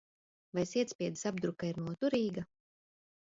Vai sietspiedes apdruka ir noturīga?